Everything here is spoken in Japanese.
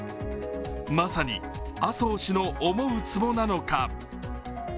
まさに麻生氏の思うつぼなのか？